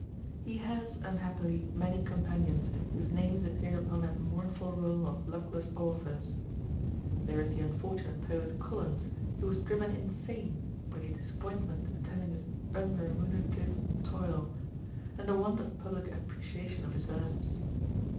He has unhappily many companions, whose names appear upon that mournful roll of luckless authors. There is the unfortunate poet Collins, who was driven insane by the disappointment attending his unremunerative toil, and the want of public appreciation of his verses.